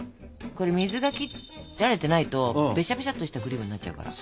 これ水が切られてないとベシャベシャッとしたクリームになっちゃうから。